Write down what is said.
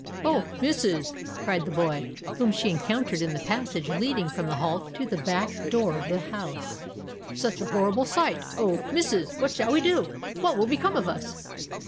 "Oh! missus," cried the boy, whom she encountered in the passage leading from the hall to the back door of the house; "such a horrible sight—Oh, missus! what shall we do?—what will become of us?"